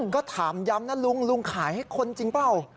ก็ถามย้ำนะลุงลุงขายให้คนจริงเปล่า